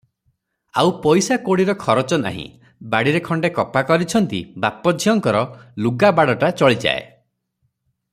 ଆଉ ପଇସା କଉଡିର ଖରଚ ନାହିଁ ।ବାଡିରେ ଖଣ୍ଡେ କପା କରିଛନ୍ତି, ବାପ ଝିଅଙ୍କର ଲୁଗାବାଡ଼ଟା ଚଳିଯାଏ ।